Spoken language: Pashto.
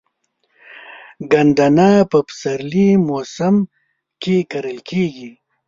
ګندنه په پسرلي موسم کې کرل کیږي.